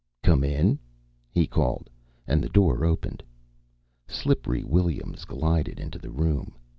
"Come in!" he called, and the door opened. "Slippery" Williams glided into the room.